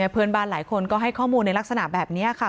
เพื่อนบ้านหลายคนก็ให้ข้อมูลในลักษณะแบบนี้ค่ะ